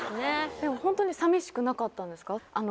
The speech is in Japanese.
でもホントに寂しくなかったんですか？